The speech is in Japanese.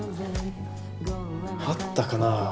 あったかな。